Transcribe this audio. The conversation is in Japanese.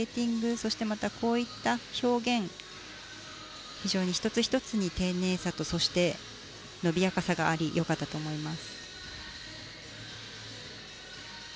そしてまたこういった表現非常に１つ１つに丁寧さとそして伸びやかさがありよかったと思います。